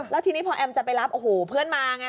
แล้วทีนี้พอแอมจะไปรับโอ้โหเพื่อนมาไง